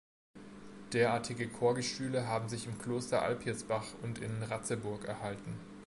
Derartige Chorgestühle haben sich im Kloster Alpirsbach und in Ratzeburg erhalten.